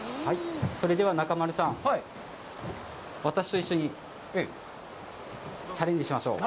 それでは中丸さん、私と一緒にチャレンジしましょう。